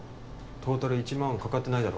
トータル１万かかってないだろ？